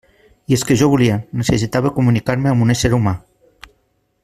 I és que jo volia, necessitava comunicar-me amb un ésser humà.